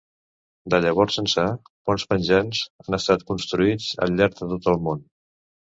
De llavors ençà ponts penjants han estat construïts al llarg de tot el món.